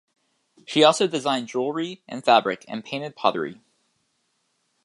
She also designed jewellery and fabric, and painted pottery.